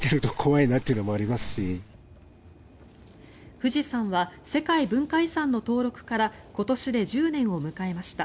富士山は世界文化遺産の登録から今年で１０年を迎えました。